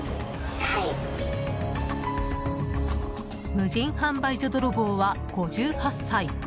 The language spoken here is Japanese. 無人販売所泥棒は５８歳。